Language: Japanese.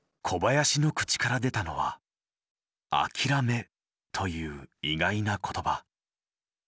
小林の口から出たのは「諦め」という意外な言葉。